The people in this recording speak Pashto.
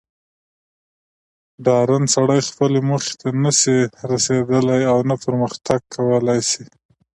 ډارن سړئ خپلي موخي ته نه سي رسېدلاي اونه پرمخ تګ کولاي سي